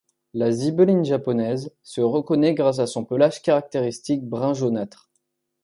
La zibeline japonaise se reconnaît grâce à son pelage caractéristique brun jaunâtre.